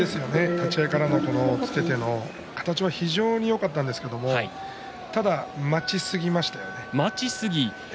立ち合いからの押っつけ形は非常によかったんですが待ちすぎました。